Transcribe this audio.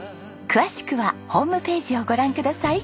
詳しくはホームページをご覧ください。